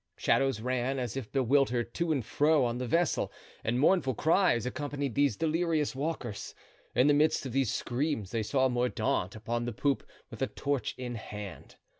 Shadows ran, as if bewildered, to and fro on the vessel, and mournful cries accompanied these delirious walkers. In the midst of these screams they saw Mordaunt upon the poop with a torch in hand.